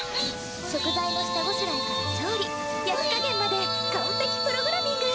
食材の下ごしらえから調理焼き加減まで完璧プログラミング！